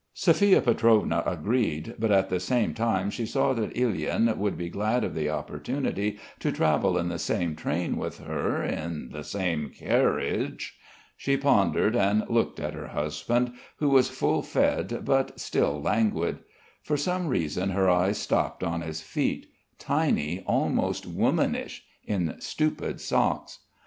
Sophia Pietrovna agreed; but at the same time she saw that Ilyin would be glad of the opportunity to travel in the same train with her, in the same carriage.... She pondered and looked at her husband, who was full fed but still languid. For some reason her eyes stopped on his feet, tiny, almost womanish, in stupid socks.